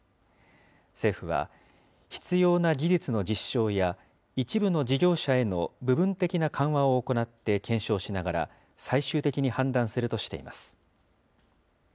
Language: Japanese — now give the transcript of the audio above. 政府は、必要な技術の実証や、一部の事業者への部分的な緩和を行って検証しながら、最終的に判断するとしています。